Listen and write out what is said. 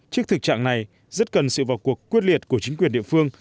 trước thực trạng này rất cần sự vào cuộc quyết liệt của chính quyền địa phương